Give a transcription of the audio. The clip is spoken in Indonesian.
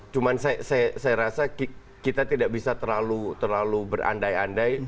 cuma saya rasa kita tidak bisa terlalu berandai andai